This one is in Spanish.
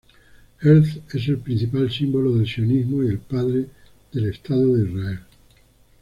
Herzl es el principal símbolo del sionismo y el padre del Estado de Israel.